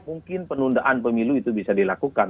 mungkin penundaan pemilu itu bisa dilakukan